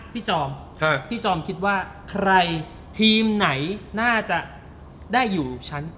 จอมพี่จอมคิดว่าใครทีมไหนน่าจะได้อยู่ชั้น๘